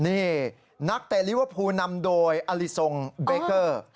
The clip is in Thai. นี่นักเตะลิเวอร์พูลนำโดยอลิทรงเบเกอร์